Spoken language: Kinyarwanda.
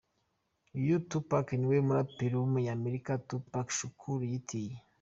Uyu Tupac niwe umuraperi w’umunyamerika Tupac Shakur yiyitiriye.